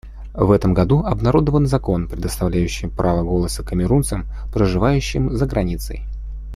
В этом году обнародован закон, предоставляющий право голоса камерунцам, проживающим за границей.